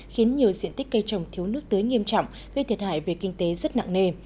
khiến nhiều diện tích cây trồng thiếu nước tưới nghiêm trọng gây thiệt hại về kinh tế rất nặng nề